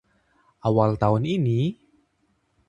awal tahun ini